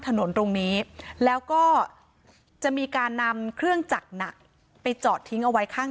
ถนนตรงนี้แล้วก็จะมีการนำเครื่องจักรหนักไปจอดทิ้งเอาไว้ข้าง